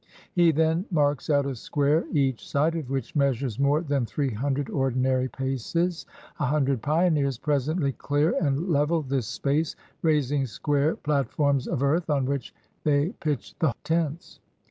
He then marks out a square, each side of which measures more than three hundred ordinary paces. A hundred pioneers presently clear and level this space, raising square plat forms of earth on which they pitch the tents.